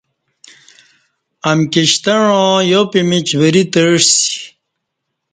امکی شتعاں یا پِیمیچ وری تعسی۔